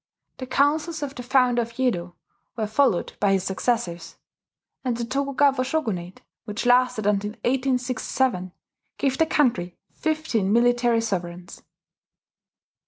The counsels of the founder of Yedo were followed by his successors; and the Tokugawa shogunate, which lasted until 1867, gave the country fifteen military sovereigns.